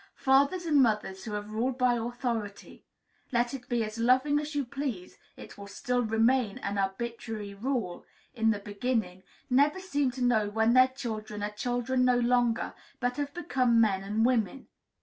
Fathers and mothers who have ruled by authority (let it be as loving as you please, it will still remain an arbitrary rule) in the beginning, never seem to know when their children are children no longer, but have become men and women.